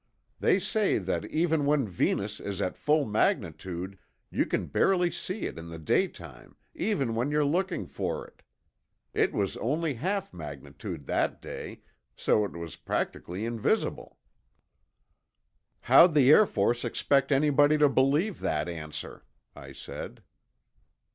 They say that even when Venus is at full magnitude you can barely see it in the daytime even when you're looking for it. It was only half magnitude that day, so it was practically invisible." "How'd the Air Force expect anybody to believe that answer?" I said.